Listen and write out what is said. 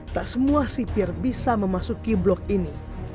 tak semua sipir bisa memasuki blok ini